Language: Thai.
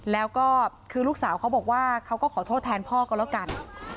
แล้วก็คือลูกสาวเขาบอกว่าเขาก็ขอโทษแทนพ่อก็แล้วกัน